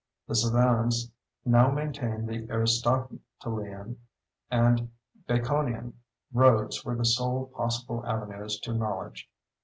The savans now maintained the Aristotelian and Baconian roads were the sole possible avenues to knowledge.